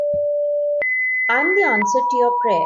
I'm the answer to your prayer.